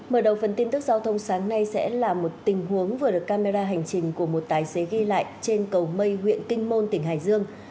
mở đầu phần tin tức giao thông sáng nay sẽ là một tình huống vừa được camera hành trình của một tài xế ghi lại trên cầu mây huyện kinh môn tỉnh hải dương